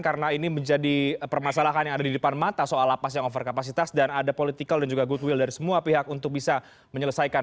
karena ini menjadi permasalahan yang ada di depan mata soal lapas yang over kapasitas dan ada political dan juga goodwill dari semua pihak untuk bisa menyelesaikan